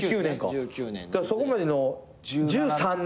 そこまでの１３年。